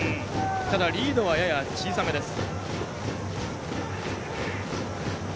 ただリードはやや小さめです。